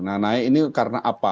nah naik ini karena apa